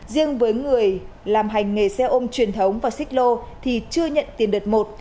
riêng với người làm hành nghề xe ôm truyền thống và xích lô thì chưa nhận tiền đợt một